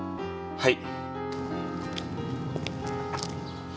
はい。